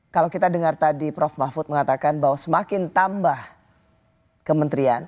kalau kita dengar tadi prof mahfud mengatakan bahwa semakin tambah kementerian